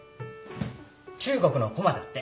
中国のコマだって。